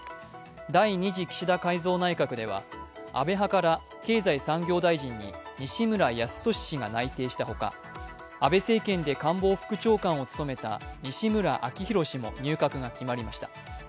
第２次岸田改造内閣では安倍派から経済産業大臣に西村康稔氏が内定したほか、安倍政権で官房副長官を務めた西村明宏氏も入閣が決まりました。